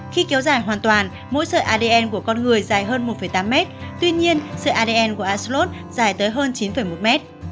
khi kéo dài hoàn toàn mỗi sợi adn của con người dài hơn một tám m tuy nhiên sợi adn của axolotl dài tới hơn chín một m